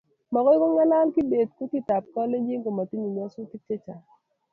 magoi ng'alal kibet kutit ab kalenjin ko matinye nyasutik chechang